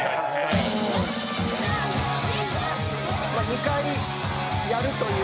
「２回やるという」